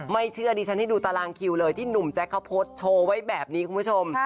ไม่เชื่อดิฉันให้ดูตารางคิวเลยที่หนุ่มแจ๊คเขาโพสต์โชว์ไว้แบบนี้คุณผู้ชม